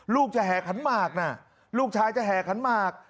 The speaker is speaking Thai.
ลูกจะแห่ขันหมากนะลูกชายจะแห่ขันหมาก